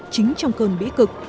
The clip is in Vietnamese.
chính trong cơn bỉ cực